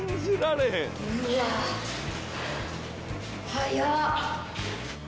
早っ。